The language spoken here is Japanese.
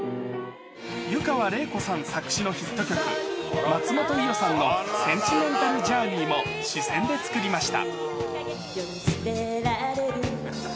湯川れい子さん作詞のヒット曲、松本伊代さんのセンチメンタル・ジャーニーも詞先で作りました。